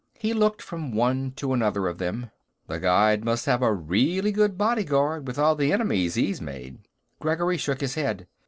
He looked from one to another of them. "The Guide must have a really good bodyguard, with all the enemies he's made." Gregory shook his head.